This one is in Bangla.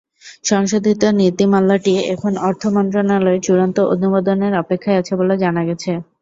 সংশোধিত নীতিমালাটি এখন অর্থ মন্ত্রণালয়ের চূড়ান্ত অনুমোদনের অপেক্ষায় আছে বলে জানা গেছে।